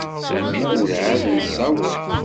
Ur εad nessaweḍ.